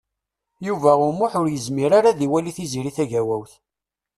Yuba U Muḥ ur yezmir ara ad iwali Tiziri Tagawawt.